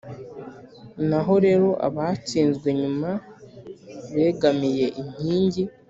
naho rero abatsinzwe nyuma begamiye inkingi,